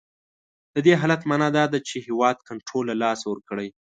د دې حالت معنا دا ده چې هیواد کنټرول له لاسه ورکړی.